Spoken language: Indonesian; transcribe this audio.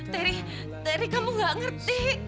terry terry kamu gak ngerti